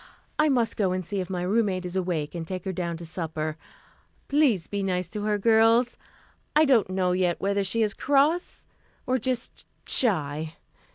"I must go and see if my roommate is awake, and take her down to supper. Please be nice to her, girls. I don't know yet whether she is cross or just shy."